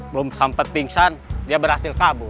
belum sempat pingsan dia berhasil kabur